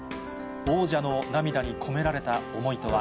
王者の涙に込められた思いとは。